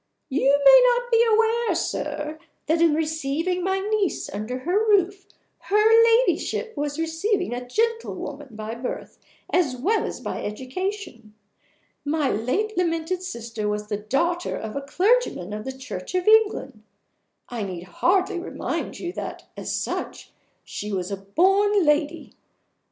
You may not be aware, sir, that in receiving my niece under her roof her Ladyship was receiving a gentlewoman by birth as well as by education. My late lamented sister was the daughter of a clergyman of the Church of England. I need hardly remind you that, as such, she was a born lady.